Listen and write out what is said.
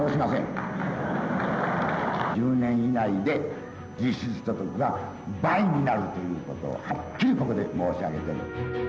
１０年以内で実質所得が倍になるということをはっきりここで申し上げてる。